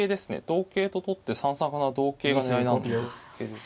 同桂と取って３三角成同桂が狙いなんですけれども。